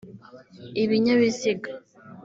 ibinyabiziga